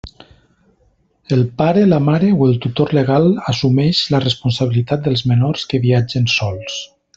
El pare, la mare o el tutor legal assumeix la responsabilitat dels menors que viatgen sols.